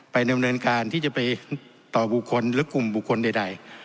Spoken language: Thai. ไปเริ่มเริ่มการที่จะไปต่อบุคคลหรือกลุ่มบุคคลใด